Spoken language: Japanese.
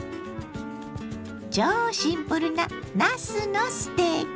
超シンプルななすのステーキ。